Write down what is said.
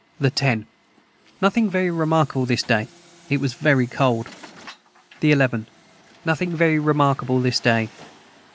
the 10. Nothing very remarkable this day it was very cold. the 11. Nothing very remarkable this day.